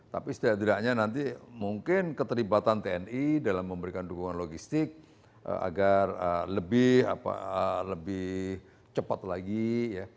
tapi setidaknya nanti mungkin keterlibatan tni dalam memberikan dukungan logistik agar lebih cepat lagi ya